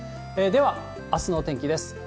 では、あすのお天気です。